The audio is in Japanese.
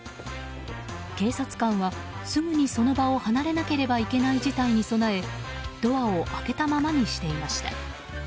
警察官は、すぐにその場を離れなければいけない事態に備えドアを開けたままにしていました。